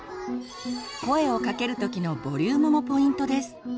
声をかける時のボリュームもポイントです。